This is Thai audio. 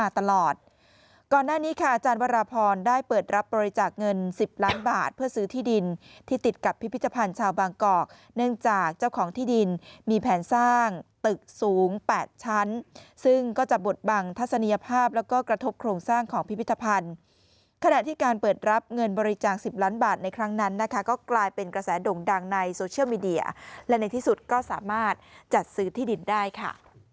ตึกสูง๘ชั้นซึ่งก็จะบทบังทัศนีภาพแล้วก็กระทบโครงสร้างของพิพิธภัณฑ์ขณะที่การเปิดรับเงินบริจาค๑๐ล้านบาทในครั้งนั้นนะคะก็กลายเป็นกระแสดงดังในโซเชียลมีเดียและในที่สุดก็สามารถจัดซื้อที่ดินได้ค่ะ